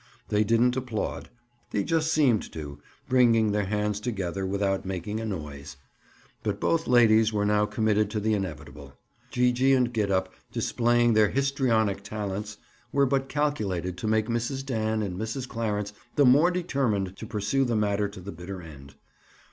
They didn't applaud; they just seemed to, bringing their hands together without making a noise. But both ladies were now committed to the inevitable. Gee gee and Gid up, displaying their "histrionic talents," were but calculated to make Mrs. Dan and Mrs. Clarence the more determined to pursue the matter to the bitter end.